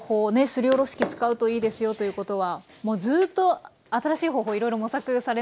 すりおろし器使うといいですよということはもうずっと新しい方法いろいろ模索されながら作ってらっしゃるんですね。